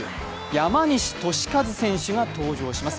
山西利和選手が登場します。